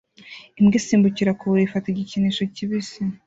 Imbwa isimbukira ku buriri ifata igikinisho kibisi